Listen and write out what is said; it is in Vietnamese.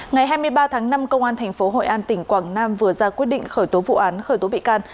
ngày hai mươi ba tháng năm công an tp hội an tỉnh quảng nam vừa ra quyết định khởi tố vụ án khởi tố bị can